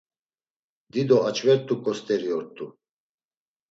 Dido aç̌vert̆uǩo st̆eri ort̆u.